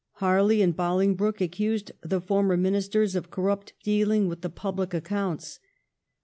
Harley and Bolingbroke accused the former Ministers of corrupt dealing with the public accounts.